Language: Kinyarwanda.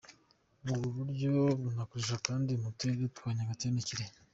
Ubwo buryo bunakoreshwa kandi mu turere twa Nyagatare na Kirehe.